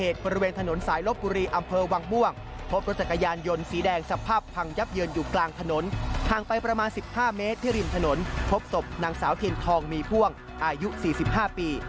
ทางไปประมาณ๑๕เมตรที่ริมถนนพบศพหนังสาวเทียนทองมีพ่วงอายุ๔๕ปี